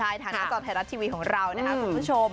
ใช่ทางหน้าจอไทยรัฐทีวีของเรานะครับคุณผู้ชม